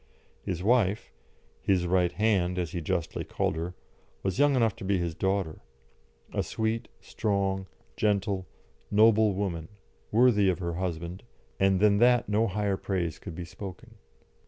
His wife, "his right hand," as he justly called her, was young enough to be his daughter a sweet, strong, gentle, noble woman, worthy of her husband, and than that no higher praise could be spoken.